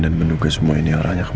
dan menunggu semua ini arahnya kemana